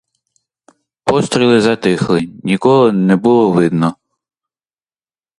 Постріли затихли, нікого не було видно.